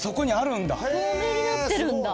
透明になってるんだ！